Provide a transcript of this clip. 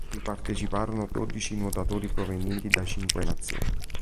Vi parteciparono dodici nuotatori, provenienti da cinque nazioni.